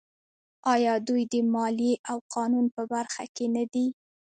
آیا دوی د مالیې او قانون په برخه کې نه دي؟